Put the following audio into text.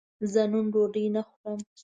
زه نن ډوډی نه خورم